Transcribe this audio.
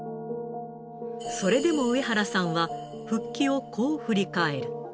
それでも上原さんは、復帰をこう振り返る。